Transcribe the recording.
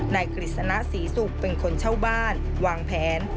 กฤษณะศรีศุกร์เป็นคนเช่าบ้านวางแผน